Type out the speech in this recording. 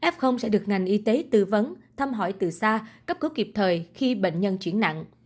f sẽ được ngành y tế tư vấn thăm hỏi từ xa cấp cứu kịp thời khi bệnh nhân chuyển nặng